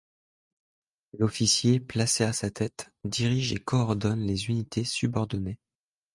L'officier placé à sa tête dirige et coordonne les unités subordonnées.